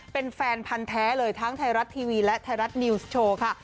เป็นแฟนพันธ์แท้เลยทั้งไทยรัฐทีวีและไทยรัฐนิวส์โชว์ค่ะ